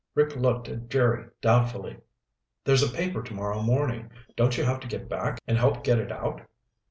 Rick looked at Jerry doubtfully. "There's a paper tomorrow morning. Don't you have to get back and help get it out?"